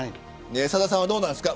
さださんはどうなんですか。